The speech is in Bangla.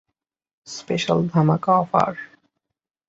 স্পেশাল ধামাকা অফার!